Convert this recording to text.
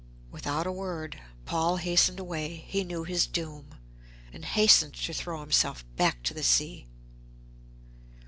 Without a word Paul hastened away. He knew his doom, and hastened to throw himself back to the sea.